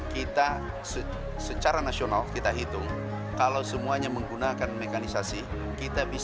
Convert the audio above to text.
kita secara nasional kita hitung kalau semuanya menggunakan mekanisasi